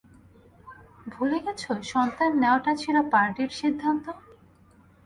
ভুলে গেছ সন্তান নেয়াটা ছিল পার্টির সিদ্ধান্ত?